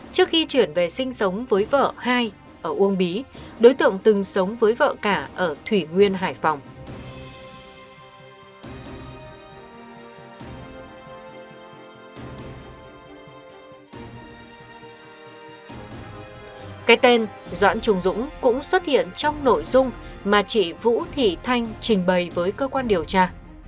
cái tên doãn trùng dũng cũng xuất hiện trong nội dung mà chị vũ thị thanh trình bày với cơ quan điều tra